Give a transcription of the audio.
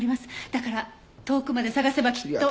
だから遠くまで捜せばきっと。